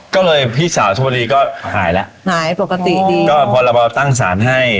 ก็เลยพี่สาวชนบุรีก็หายแล้วหายปกติดีก็พรบตั้งสารให้